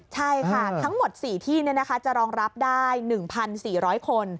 ใช่ค่ะทั้งหมด๔ที่จะรองรับได้๑๔๐๐คน